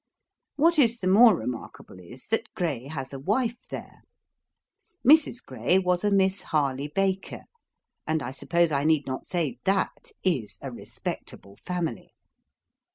What is the more remarkable is, that Gray has a wife there. Mrs. Gray was a Miss Harley Baker: and I suppose I need not say THAT is a respectable family.